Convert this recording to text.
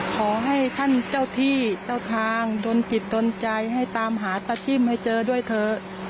ขอให้ท่านเจ้าที่เจ้าทางดนจิตดนใจให้ตามหาตาจิ้มให้เจอด้วยเถอะ